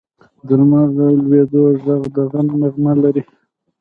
د لمر د لوېدو ږغ د غم نغمه لري.